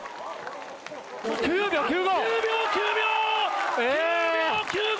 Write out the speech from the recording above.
９秒９５！